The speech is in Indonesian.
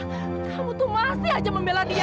kamu tuh masih aja membela dia